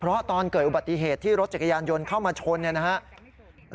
เพราะตอนเกิดอุบัติเหตุที่รถจักรยานยนต์เข้ามาชนเนี่ยนะครับ